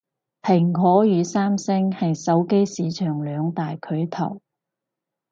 蘋果與三星係手機市場兩大巨頭